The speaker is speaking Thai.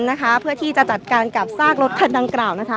นะคะเพื่อที่จะจัดการกับซากรถคันดังกล่าวนะคะ